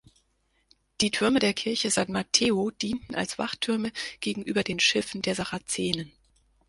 Die Türme der Kirche San Matteo dienten als Wachtürme gegenüber den Schiffen der Sarazenen.